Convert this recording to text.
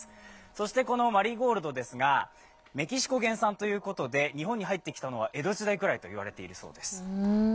そして、このマリーゴールドですが、メキシコ原産ということで、日本に入ってきたのは江戸時代ぐらいといわれているそうです。